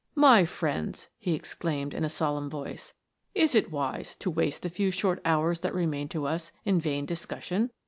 " My friends," he exclaimed, in a solemn voice, " is it wise to waste the few short hours that remain to us in vain discussion